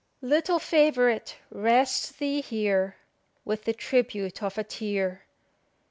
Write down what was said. "Little favourite! rest thee here, With the tribute of a tear!